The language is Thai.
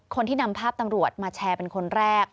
คนที่นำภาพตำรวจมาแชร์เป็นคนแรก